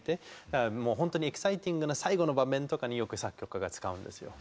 だからもう本当にエキサイティングな最後の場面とかによく作曲家が使うんですよ。